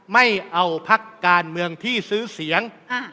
ไม่เอาพักการเมืองที่ซื้อเสียง